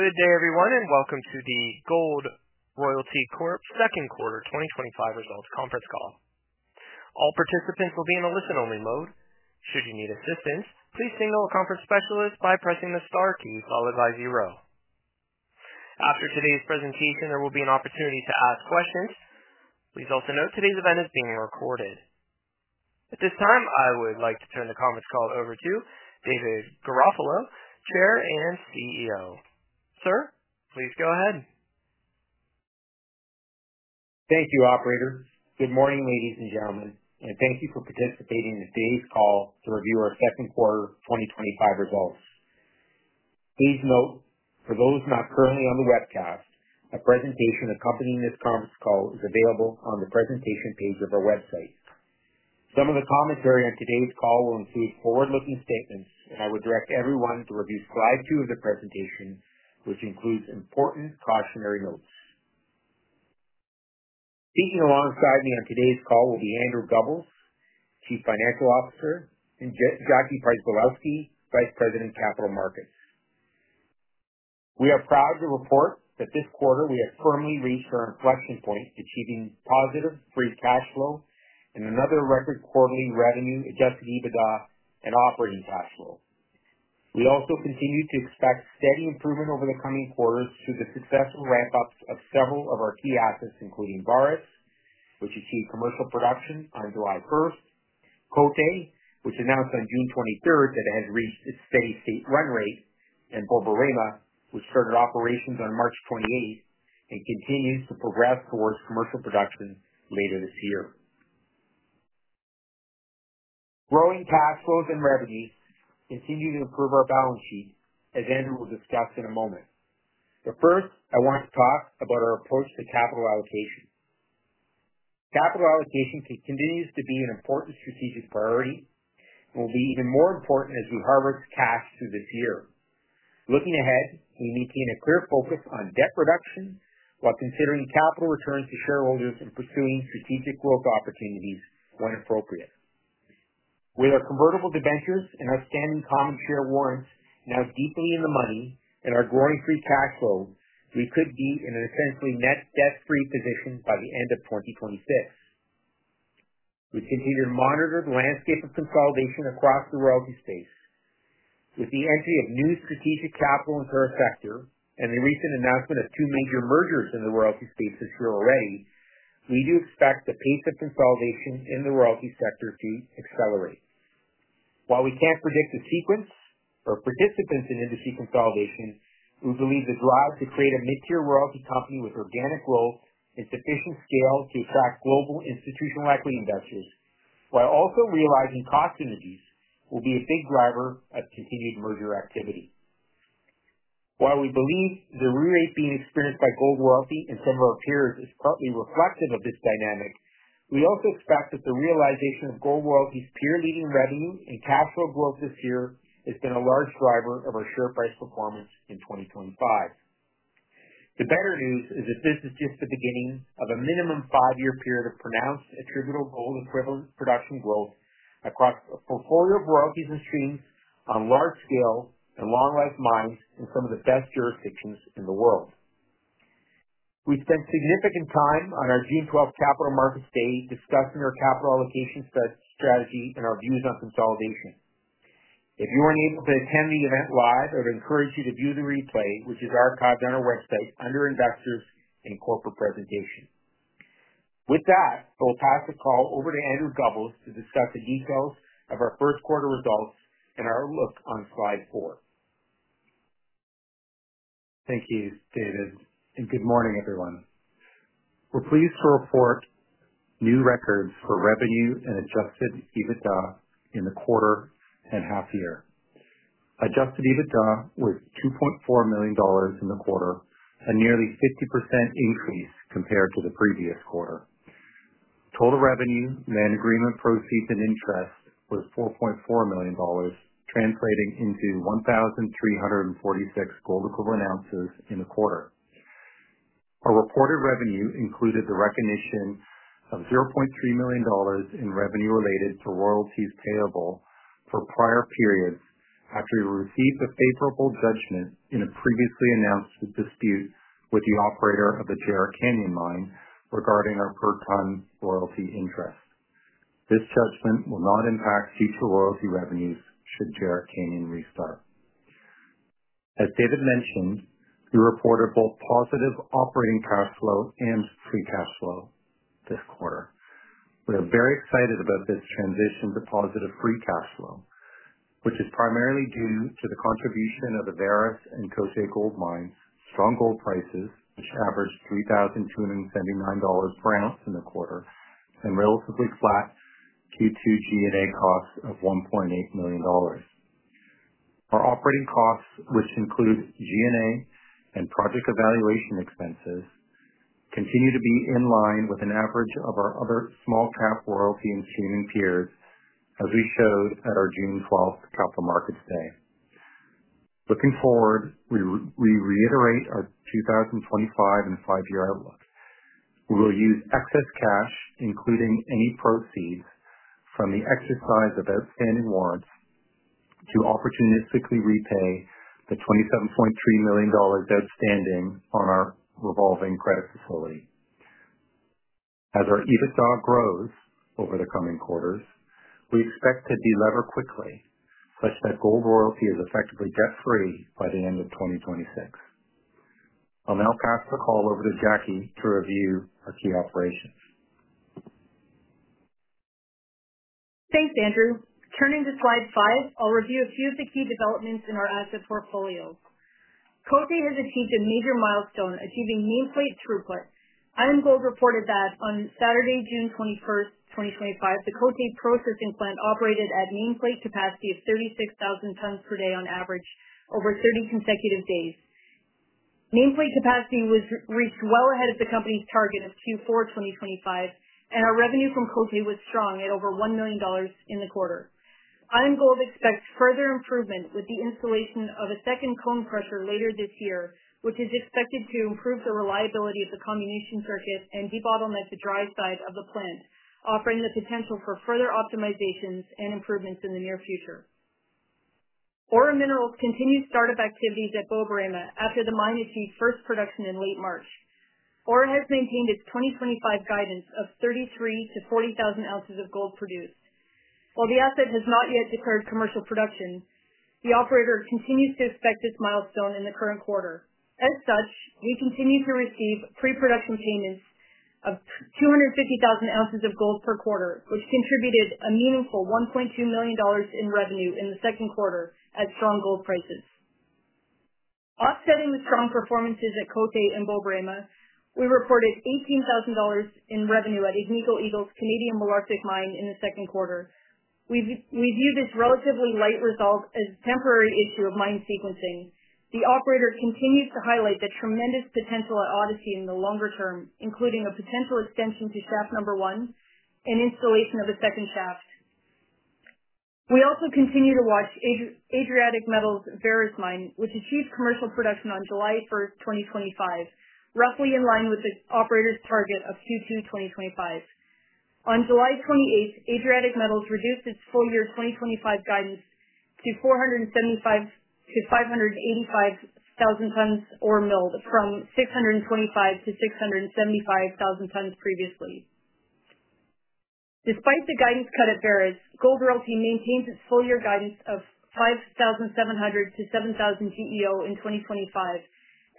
Good day, everyone, and welcome to the Gold Royalty Corp second quarter 2025 results conference call. All participants will be in a listen-only mode. Should you need assistance, please signal a conference specialist by pressing the star key followed by zero. After today's presentation, there will be an opportunity to ask questions. Please also note today's event is being recorded. At this time, I would like to turn the conference call over to David Garofalo, Chair and CEO. Sir, please go ahead. Thank you, Operator. Good morning, ladies and gentlemen, and thank you for participating in today's call to review our second quarter 2025 results. Please note, for those not currently on the webcast, a presentation accompanying this conference call is available on the presentation page of our website. Some of the commentary on today's call will include forward-looking statements, and I would direct everyone to review slide two of the presentation, which includes important cautionary notes. Speaking alongside me on today's call will be Andrew Gubbels, Chief Financial Officer, and Jackie Przybylowski, Vice President Capital Markets. We are proud to report that this quarter we have firmly reached our inflection point, achieving positive free cash flow and another record quarterly revenue, adjusted EBITDA, and operating cash flow. We also continue to expect steady improvement over the coming quarters through the successful ramp-ups of several of our key assets, including Vares, which achieved commercial production on July 1, Côté, which announced on June 23 that it has reached its steady state run rate, and Borborema, which started operations on March 28 and continues to progress towards commercial production later this year. Growing cash flows and revenues continue to improve our balance sheet, as Andrew will discuss in a moment. First, I want to talk about our approach to capital allocation. Capital allocation continues to be an important strategic priority and will be even more important as we harvest cash through this year. Looking ahead, we maintain a clear focus on debt reduction while considering capital returns to shareholders and pursuing strategic growth opportunities when appropriate. With our convertible debentures and outstanding common share warrants now deeply in the money and our growing free cash flow, we could be in an essentially net debt-free position by the end of 2026. We continue to monitor the landscape of consolidation across the royalty space. With the entry of new strategic capital in Perfector and the recent announcement of two major mergers in the royalty space this year already, we do expect the pace of consolidation in the royalty sector to accelerate. While we can't predict the sequence of participants in industry consolidation, we believe the drive to create a mid-tier royalty company with organic growth and sufficient scale to attract global institutional equity investors, while also realizing cost synergies, will be a big driver of continued merger activity. While we believe the re-rate being experienced by Gold Royalty and some of our peers is partly reflective of this dynamic, we also expect that the realization of Gold Royalty's peer-leading revenue and cash flow growth this year has been a large driver of our share price performance in 2025. The better news is that this is just the beginning of a minimum five-year period of pronounced attributable gold equivalent production growth across a portfolio of royalties and streams on large scale and long-life mines in some of the best jurisdictions in the world. We spent significant time on our June 12th Capital Markets Day discussing our capital allocation strategy and our views on consolidation. If you weren't able to attend the event live, I would encourage you to view the replay, which is archived on our website under Investors and Corporate Presentation. With that, I will pass the call over to Andrew Gubbels to discuss the details of our first quarter results and our outlook on slide four. Thank you, David, and good morning, everyone. We're pleased to report new records for revenue and adjusted EBITDA in the quarter and half year. Adjusted EBITDA was $2.4 million in the quarter, a nearly 50% increase compared to the previous quarter. Total revenue, net agreement proceeds and interest was $4.4 million, translating into 1,346 gold equivalent ounces in a quarter. Our reported revenue included the recognition of $0.3 million in revenue related to royalties payable for prior periods after we received a favorable judgment in a previously announced dispute with the operator of the Jerritt Canyon mine regarding our per ton royalty interest. This judgment will not impact chief of royalty revenues should Jerritt Canyon restart. As David mentioned, we reported both positive operating cash flow and free cash flow this quarter. We are very excited about this transition to positive free cash flow, which is primarily due to the contribution of the Vares and Côté Gold mine's strong gold prices to average $3,279 per ounce in the quarter and relatively flat D2 G&A costs of $1.8 million. Our operating costs, which include G&A and project evaluation expenses, continue to be in line with an average of our other small cap royalty and streaming tiers, as we showed at our June 12th Capital Markets Day. Looking forward, we reiterate our 2025 and five-year outlook. We will use excess cash, including any proceeds from the exercise of outstanding warrants, to opportunistically repay the $27.3 million outstanding on our revolving credit facility. As our EBITDA grows over the coming quarters, we expect to deliver quickly, such that Gold Royalty is effectively debt-free by the end of 2026. I'll now pass the call over to Jackie to review our key operations. Thanks, Andrew. Turning to slide five, I'll review a few of the key developments in our asset portfolios. Côté has achieved a major milestone, achieving nameplate throughput. IAMGOLD reported that on Saturday, June 21, 2025, the Côté processing plant operated at a nameplate capacity of 36,000 tons per day on average over 30 consecutive days. Nameplate capacity was reached well ahead of the company's target of Q4 2025, and our revenue from Côté was strong at over $1 million in the quarter. IAMGOLD expects further improvement with the installation of a second cone crusher later this year, which is expected to improve the reliability of the comminution circuit and debottleneck at the dry side of the plant, offering the potential for further optimizations and improvements in the near future. Aura Minerals continued startup activities at Borborema after the mine achieved first production in late March. Aura has maintained its 2025 guidance of 33,000 to 40,000 ounces of gold produced. While the asset has not yet declared commercial production, the operator continues to expect this milestone in the current quarter. As such, we continue to receive pre-production payments of 2,500 ounces of gold per quarter, which contributed a meaningful $1.2 million in revenue in the second quarter at strong gold prices. Offsetting the strong performances at Côté and Borborema, we reported $18,000 in revenue at Agnico Eagle's Canadian Malartic mine in the second quarter. We view this relatively light result as a temporary issue of mine sequencing. The operator continues to highlight the tremendous potential at Odyssey in the longer term, including a potential extension to shaft number one and installation of a second shaft. We also continue to watch Adriatic Metals' Vares mine, which achieved commercial production on July 1, 2025, roughly in line with the operator's target of Q2 2025. On July 28, Adriatic Metals reduced its full-year 2025 guidance to 475,000 to 585,000 tons ore milled from 625,000 to 675,000 tons previously. Despite the guidance cut at Vares, Gold Royalty maintained its full-year guidance of 5,700 to 7,000 GEO in 2025,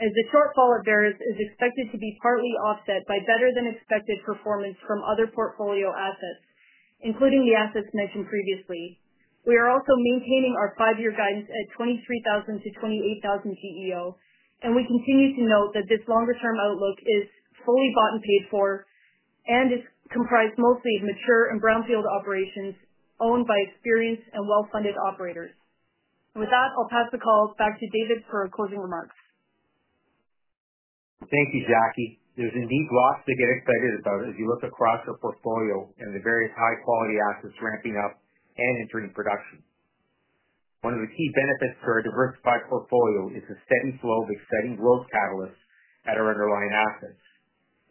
as the shortfall at Vares is expected to be partly offset by better than expected performance from other portfolio assets, including the assets mentioned previously. We are also maintaining our five-year guidance at 23,000 to 28,000 GEO, and we continue to note that this longer-term outlook is fully bought and paid for and is comprised mostly of mature and brownfield operations owned by experienced and well-funded operators. With that, I'll pass the call back to David for closing remarks. Thank you, Jackie. There's indeed lots to get excited about as you look across our portfolio and the various high-quality assets ramping up and entering production. One of the key benefits for our diversified portfolio is the steady flow of exciting growth catalysts at our underlying assets.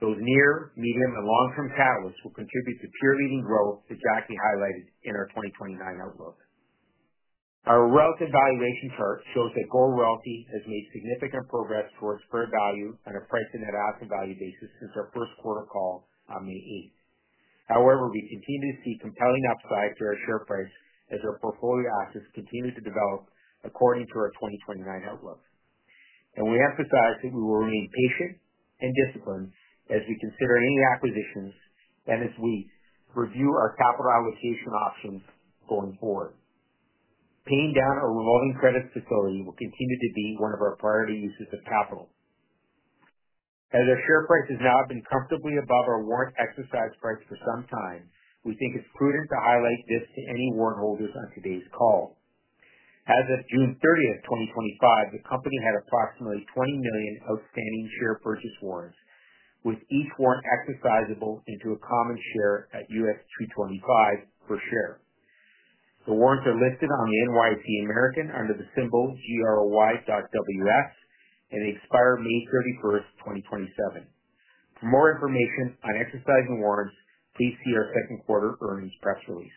Those near, medium, and long-term catalysts will contribute to peer-leading growth that Jackie highlighted in our 2029 outlook. Our relative valuation chart shows that Gold Royalty Corp has made significant progress towards fair value and a price-to-net asset value basis since our first quarter call on May 8th. However, we continue to see compelling upside to our share price as our portfolio assets continue to develop according to our 2029 outlook. We emphasize that we will remain patient and disciplined as we consider any acquisitions and as we review our capital allocation options going forward. Paying down a revolving credit facility will continue to be one of our priority uses of capital. As our share price has now been comfortably above our warrant exercise price for some time, we think it's prudent to highlight this to any warrant holders on today's call. As of June 30th, 2025, the company had approximately 20 million outstanding share purchase warrants, with each warrant exercisable into a common share at $2.25 per share. The warrants are listed on the NYSE American under the symbol GROY.WS and expire May 31st, 2027. For more information on exercising warrants, please see our second quarter earnings press release.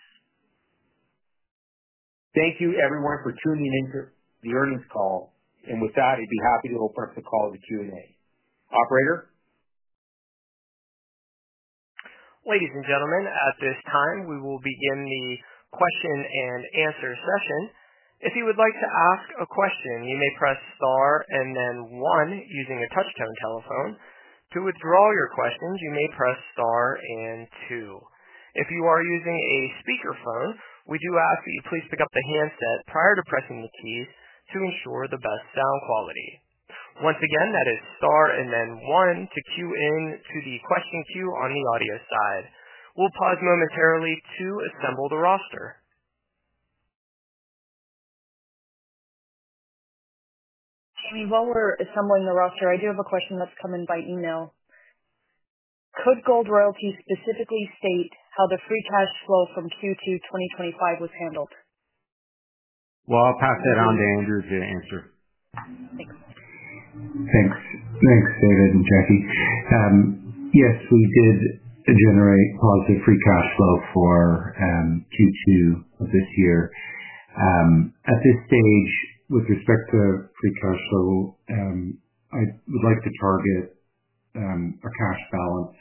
Thank you, everyone, for tuning in to the earnings call. With that, I'd be happy to open up the call to Q&A. Operator? Ladies and gentlemen, at this time, we will begin the question and answer session. If you would like to ask a question, you may press star and then one using a touch-tone telephone. To withdraw your questions, you may press star and two. If you are using a speakerphone, we do ask that you please pick up the handset prior to pressing the keys to ensure the best sound quality. Once again, that is star and then one to cue into the question queue on the audio side. We'll pause momentarily to assemble the roster. While we're assembling the roster, I do have a question that's come in by email. Could Gold Royalty specifically state how the free cash flow from Q2 2025 was handled? I'll pass it on to Andrew to answer. Thanks. Thanks, David and Jackie. Yes, we did generate positive free cash flow for Q2 of this year. At this stage, with respect to free cash flow, I would like to target a cash balance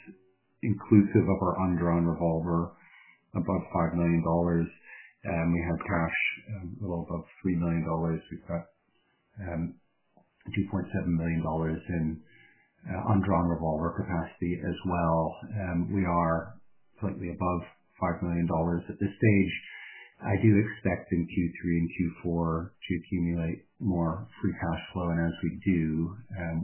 inclusive of our undrawn revolver above $5 million. We have cash a little above $3 million. We've got $2.7 million in undrawn revolver capacity as well. We are slightly above $5 million at this stage. I do expect in Q3 and Q4 to accumulate more free cash flow, and as we do,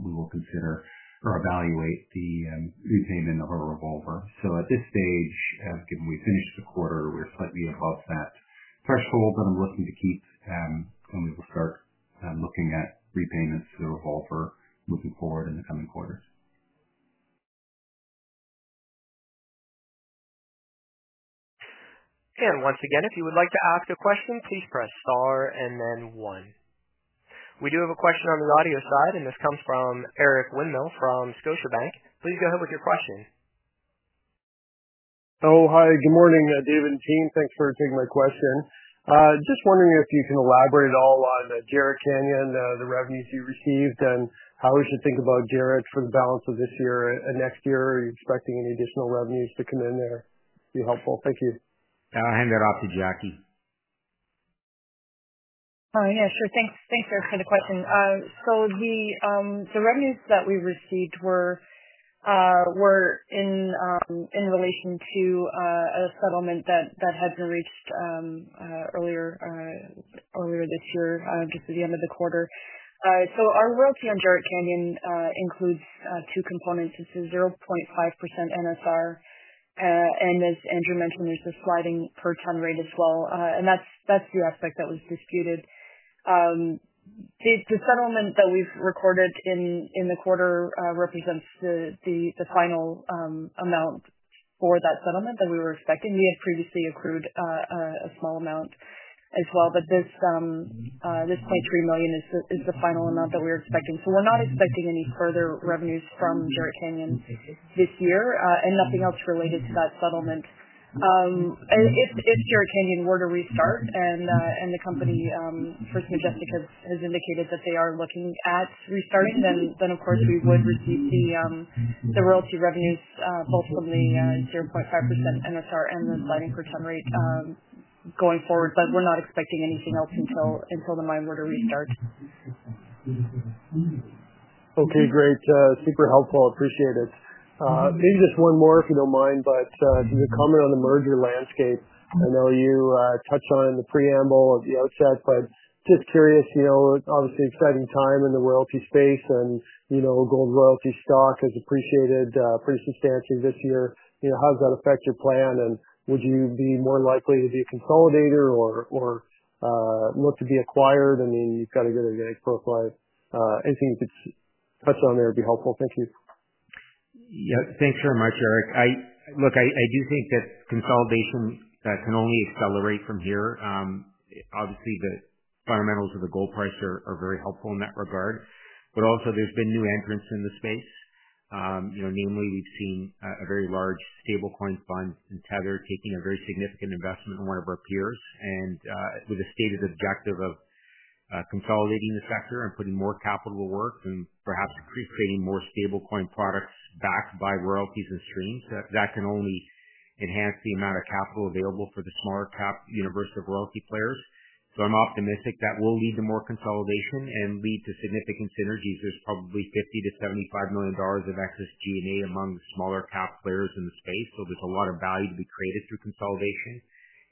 we will consider or evaluate the repayment of our revolver. At this stage, given we finished the quarter, we're slightly above that threshold that I'm looking to keep when we look at repayments to the revolver moving forward in the coming quarter. If you would like to ask a question, please press star and then one. We do have a question on the audio side, and this comes from Eric Winmill from Scotiabank. Please go ahead with your question. Oh, hi. Good morning, David and team. Thanks for taking my question. Just wondering if you can elaborate at all on the Jerritt Canyon, the revenues you received, and how we should think about Jerritt for the balance of this year and next year. Are you expecting any additional revenues to come in there? Be helpful. Thank you. I'll hand that off to Jackie. Hi. Yes, sir, thanks. Thanks, Eric, for the question. The revenues that we received were in relation to a settlement that had been reached earlier this year, just at the end of the quarter. Our royalty on Jerritt Canyon includes two components. This is 0.5% NSR, and as Andrew mentioned, it's a sliding per ton rate as well. That's the aspect that was disputed. The settlement that we've recorded in the quarter represents the final amount for that settlement that we were expecting. We had previously accrued a small amount as well, but this $0.3 million is the final amount that we're expecting. We're not expecting any further revenues from Jerritt Canyon this year, and nothing else related to that settlement. If Jerritt Canyon were to restart and the company, First Majestic, has indicated that they are looking at restarting, then, of course, we would receive the royalty revenues, both from the 0.5% NSR and the sliding per ton rate, going forward. We're not expecting anything else until the mine were to restart. Okay. Great. Super helpful. I appreciate it. Maybe just one more, if you don't mind, the comment on the merger landscape. I know you touched on the preamble at the outset, but just curious, obviously exciting time in the royalty space, and Gold Royalty stock has appreciated pretty substantially this year. How does that affect your plan, and would you be more likely to be a consolidator or look to be acquired? I mean, you've got a good advantage profile. Anything you could touch on there would be helpful. Thank you. Yeah. Thanks very much, Eric. I do think that consolidation can only accelerate from here. Obviously, the fundamentals of the gold price are very helpful in that regard. Also, there's been new entrants in the space. You know, namely, we've seen a very large stablecoin fund and Tether taking a very significant investment in one of our peers, with the stated objective of consolidating the sector and putting more capital to work and perhaps free trading more stablecoin products backed by royalties and streams. That can only enhance the amount of capital available for the smaller cap universe of royalty players. I'm optimistic that will lead to more consolidation and lead to significant synergies. There's probably $50 million to $75 million of excess G&A among smaller cap players in the space. There's a lot of value to be created through consolidation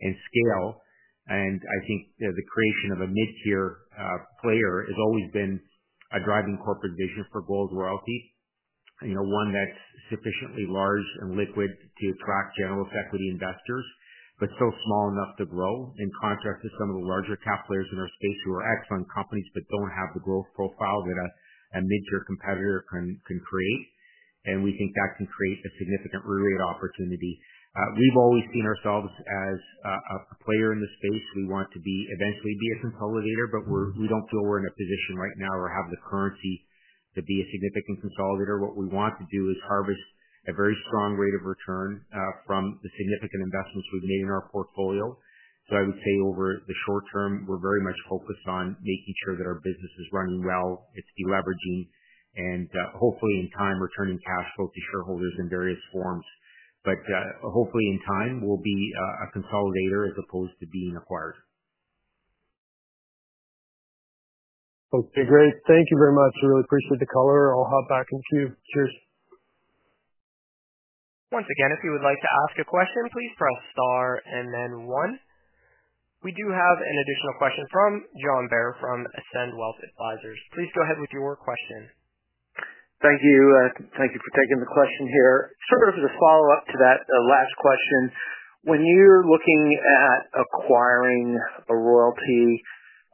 and scale. I think the creation of a mid-tier player has always been a driving corporate vision for Gold Royalty. One that's sufficiently large and liquid to attract general effective investors, but still small enough to grow in contrast to some of the larger cap players in our space who are excellent companies but don't have the growth profile that a mid-tier competitor can create. We think that can create a significant re-rate opportunity. We've always seen ourselves as a player in the space. We want to be eventually a consolidator, but we don't feel we're in a position right now or have the currency to be a significant consolidator. What we want to do is harvest a very strong rate of return from the significant investments we've made in our portfolio. I would say over the short term, we're very much focused on making sure that our business is running well. It's deleveraging and, hopefully in time, returning cash flow to shareholders in various forms. Hopefully in time, we'll be a consolidator as opposed to being acquired. Okay. Great. Thank you very much. I really appreciate the color. I'll hop back in a few. Cheers. Once again, if you would like to ask a question, please press star and then one. We do have an additional question from John Bear from Ascend Wealth Advisors. Please go ahead with your question. Thank you. Thank you for taking the question here. Sort of as a follow-up to that last question, when you're looking at acquiring a royalty,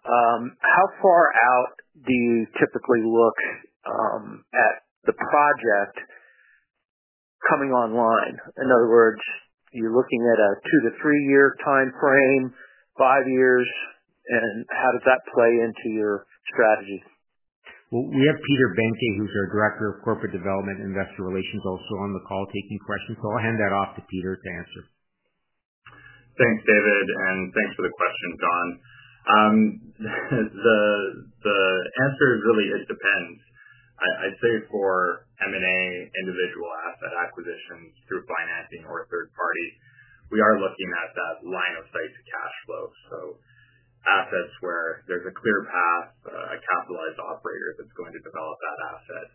how far out do you typically look at the project coming online? In other words, you're looking at a two to three-year timeframe, five years, and how does that play into your strategy? We have Peter Behncke, who's our Director of Corporate Development and Investor Relations, also on the call taking questions. I'll hand that off to Peter to answer. Thanks, David, and thanks for the question, John. The answer is really, it depends. I'd say for M&A, individual asset acquisitions through financing or a third party, we are looking at that line of slice of cash flow. Assets where there's a clear path, a capitalized operator that's going to develop that asset,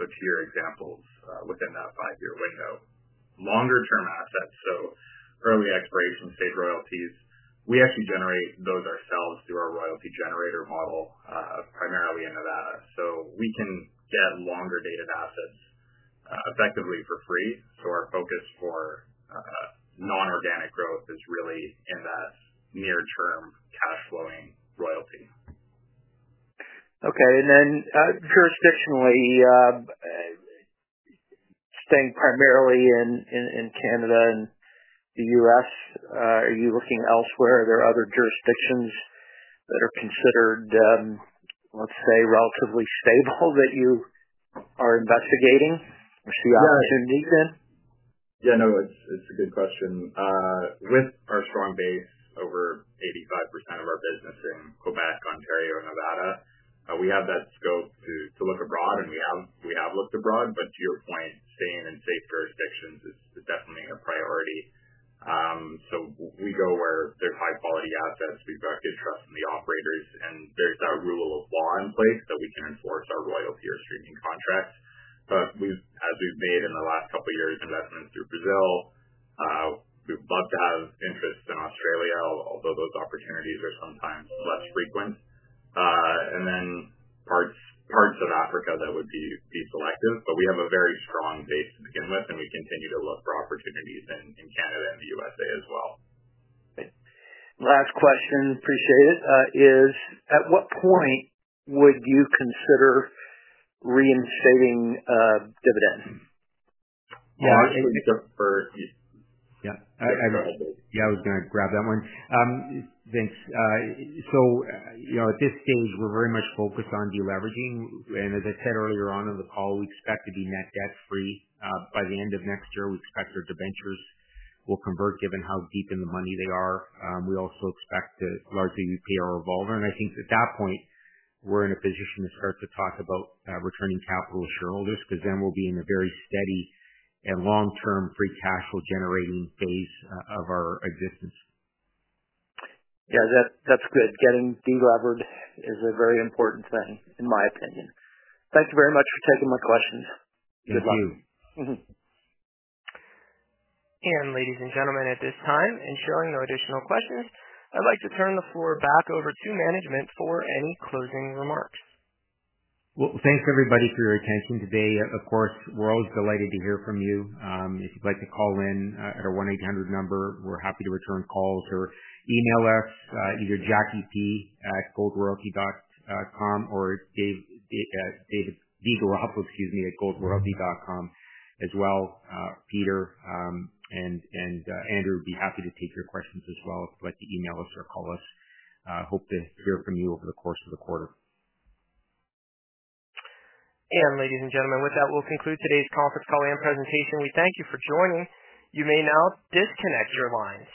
to your examples, within that five-year window. Longer-term assets, early expiration state royalties, we actually generate those ourselves through our royalty generator model, primarily in Nevada. We can get longer dated assets, effectively for free. Our focus for non-organic growth is really in that near-term cash-flowing royalty. Okay. Jurisdictionally, staying primarily in Canada and the U.S., are you looking elsewhere? Are there other jurisdictions that are considered, let's say, relatively stable that you are investigating? Yeah, no, it's a good question. With our strong base, over 85% of our business in Quebec, Ontario, and Nevada, we have that scope to look abroad, and we have looked abroad. To your point, staying in safe jurisdictions is definitely a priority. We go where there's high-quality assets we've directed from the operators, and there's that rule of law in place that we can enforce our royalty or streaming contracts. As we've made in the last couple of years, investments through Brazil, we'd love to have interest in Australia, although those opportunities are sometimes less frequent, and then parts of Africa that would be selective. We have a very strong base to begin with, and we continue to look for opportunities in Canada and the USA as well. Last question, appreciate it, is at what point would you consider reinstating dividends? Yeah, I was going to grab that one. Vince, at this stage, we're very much focused on deleveraging. As I said earlier on in the call, we expect to be net debt-free by the end of next year. We expect our debentures will convert, given how deep in the money they are. We also expect to largely repay our revolver. I think at that point, we're in a position to start to talk about returning capital to shareholders because then we'll be in a very steady and long-term free cash flow generating phase of our existence. Yeah, that's good. Getting deleveraged is a very important thing, in my opinion. Thank you very much for taking my questions. Thank you. Ladies and gentlemen, at this time, ensuring no additional questions, I'd like to turn the floor back over to management for any closing remarks. Thank you, everybody, for your attention today. Of course, we're always delighted to hear from you. If you'd like to call in at our 1-800 number, we're happy to return calls or email us, either jackyp@goldroyalty.com or davidviegel@goldroyalty.com as well. Peter and Andrew would be happy to take your questions as well if you'd like to email us or call us. Hope to hear from you over the course of the quarter. Ladies and gentlemen, with that, we'll conclude today's conference call and presentation. We thank you for joining. You may now disconnect your lines.